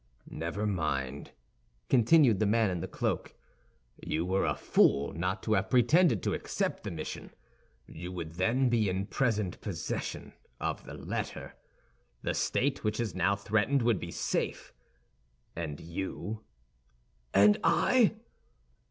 "Never mind," continued the man in the cloak; "you were a fool not to have pretended to accept the mission. You would then be in present possession of the letter. The state, which is now threatened, would be safe, and you—" "And I?"